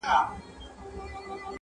نه د پردي نسیم له پرخو سره وغوړېدم!